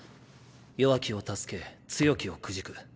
弱きを助け強きをくじく。